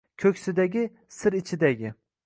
Koʻksidagi – sir ichidagi